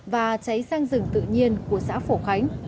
và cháy sang rừng tự nhiên của xã phổ khánh